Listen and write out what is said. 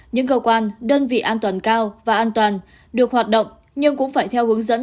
những cơ quan đơn vị an toàn cao và an toàn được hoạt động nhưng cũng phải theo hướng dẫn